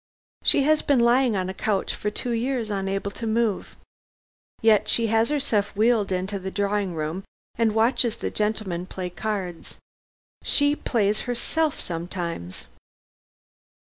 She has been lying on a couch for two years unable to move. Yet she has herself wheeled into the drawing room and watches the gentlemen play cards. She plays herself sometimes!"